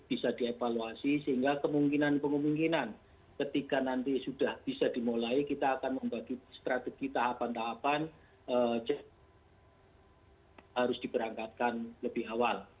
bisa dievaluasi sehingga kemungkinan kemungkinan ketika nanti sudah bisa dimulai kita akan membagi strategi tahapan tahapan harus diberangkatkan lebih awal